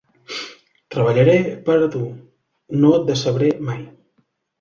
Treballaré per a tu, no et decebré mai.